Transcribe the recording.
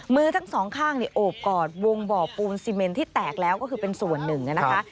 มือทั้งสองข้างโอบกอดวงบ่อปูนซีเมนที่แตกแล้วก็คือเป็นส่วนหนึ่งนะคะ